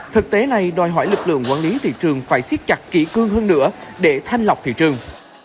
thực tế này đòi hỏi lực lượng quản lý thị trường phải siết chặt kỹ cương hơn nữa để thanh lọc thị trường